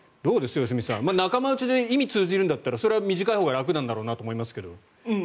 良純さん仲間内で意味が通じるんだったらそれは短いほうが楽なんだろうと思います。